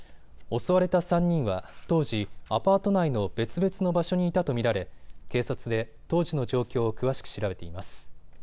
襲われた３人は当時、アパート内の別々の場所にいたと見られ警察で当時の状況を詳しく調べています。